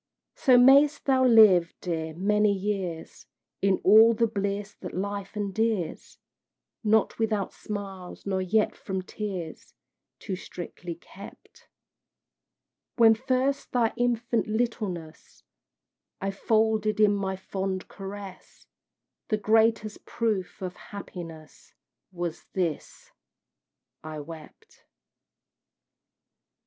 So mayst thou live, dear! many years, In all the bliss that life endears, Not without smiles, nor yet from tears Too strictly kept: When first thy infant littleness I folded in my fond caress, The greatest proof of happiness Was this I wept.